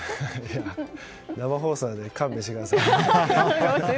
生放送なので勘弁してください。